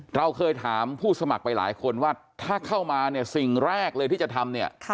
เราเคยถามผู้สมัครไปหลายคนว่าถ้าเข้ามาเนี่ยสิ่งแรกเลยที่จะทำเนี่ย